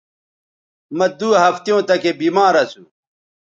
مہ دو ہفتیوں تکے بیمار اسو